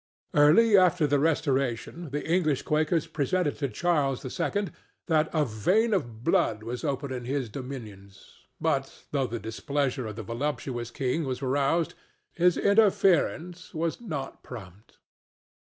Early after the Restoration the English Quakers represented to Charles II. that a "vein of blood was open in his dominions," but, though the displeasure of the voluptuous king was roused, his interference was not prompt.